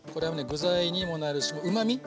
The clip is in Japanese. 具材にもなるしうまみ？